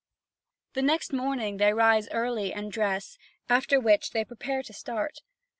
The next morning they rise early, and dress, after which they prepare to start.